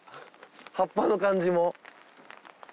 葉っぱの感じも。